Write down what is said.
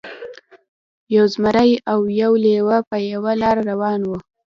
یو زمری او یو لیوه په یوه لاره روان وو.